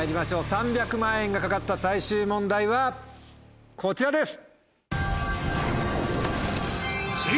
３００万円が懸かった最終問題はこちらです！